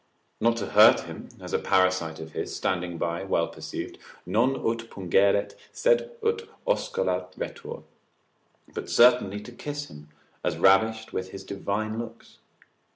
Not to hurt him, as a parasite of his, standing by, well perceived, non ut pungeret, sed ut oscularetur, but certainly to kiss him, as ravished with his divine looks.